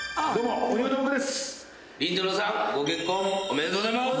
おめでとうございます！